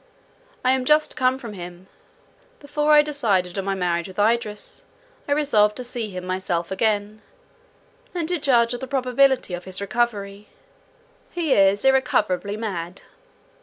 I am just come from him. Before I decided on my marriage with Idris, I resolved to see him myself again, and to judge of the probability of his recovery.—He is irrecoverably mad."